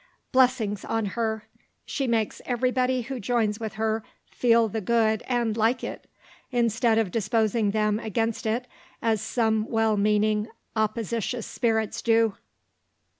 Blessings on her! She makes everybody who joins with her feel the good and like it (instead of disposing them against it, as some well meaning oppositious spirits do)."